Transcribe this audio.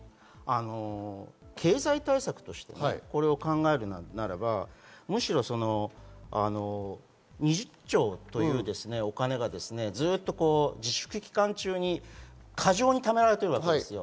経済対策としてこれを考えるならば、２０兆というお金が自粛期間中に過剰にためられているわけですよ。